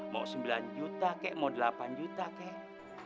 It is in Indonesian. mau sembilan juta kek mau delapan juta kek